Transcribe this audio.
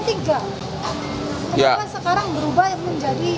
kenapa sekarang berubah menjadi